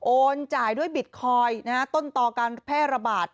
จ่ายด้วยบิตคอยน์ต้นต่อการแพร่ระบาด